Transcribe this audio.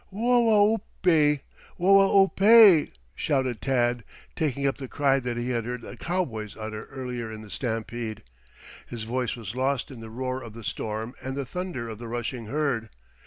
"Whoa oo ope! Whoa oo ope!" shouted Tad, taking up the cry that he had heard the cowboys utter earlier in the stampede. His voice was lost in the roar of the storm and the thunder of the rushing herd.